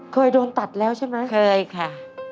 เคยโดนตัดแล้วใช่ไหมเคยค่ะ